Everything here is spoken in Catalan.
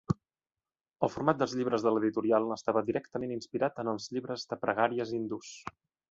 El format dels llibres de l'editorial estava directament inspirat en els llibres de pregàries hindús.